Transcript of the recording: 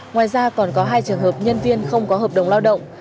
ngoài ra còn có hai trường hợp nhân viên không có hợp đồng lao động